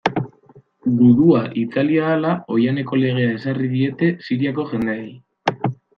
Gudua itzali ahala, oihaneko legea ezarri diete Siriako jendeei.